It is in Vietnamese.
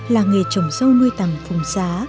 làng nghề trồng dâu nuôi tầm phùng xá